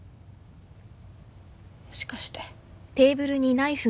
もしかして。